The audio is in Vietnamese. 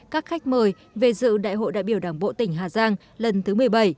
các khách mời về dự đại hội đại biểu đảng bộ tỉnh hà giang lần thứ một mươi bảy